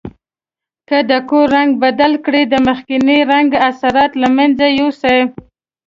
که د کور رنګ بدل کړئ د مخکني رنګ اثرات له منځه یوسئ.